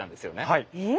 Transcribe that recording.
はい。